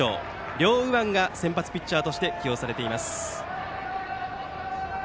両右腕が先発ピッチャーとして起用されています。